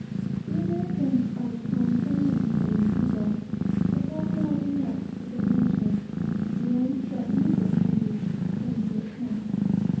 The Americans are a time and money saving people, but have not yet, as a nation, learned that music may be "turned to account."